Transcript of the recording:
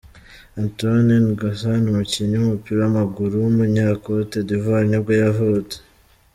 Antoine N'Gossan, umukinnyi w’umupira w’amaguru w’umunyakote d’ivoire nibwo yavutse.